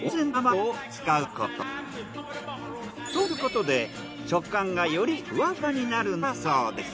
そうすることで食感がよりふわふわになるんだそうです。